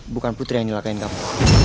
bukan putri yang nyelakain kamu